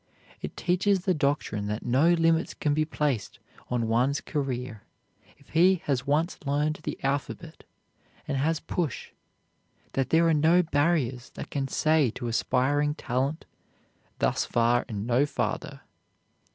It teaches the doctrine that no limits can be placed on one's career if he has once learned the alphabet and has push; that there are no barriers that can say to aspiring talent, "Thus far, and no farther."